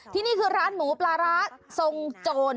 นี่คือร้านหมูปลาร้าทรงโจร